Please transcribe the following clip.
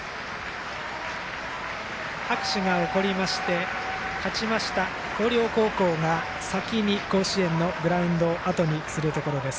拍手が起こって勝ちました広陵高校が先に甲子園のグラウンドをあとにするところです。